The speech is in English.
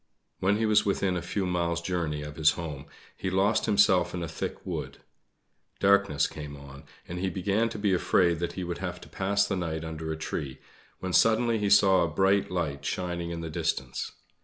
When he was within a few miles journey of his home, he lost himself in a thick wood. Darkness came on, and he began to be afraid that he would have to pass the night under a tree, when suddenly he saw a bright light shining in the distance.